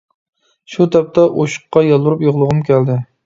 شۇ تاپتا ئوشۇققا يالۋۇرۇپ يىغلىغۇم كەلدى.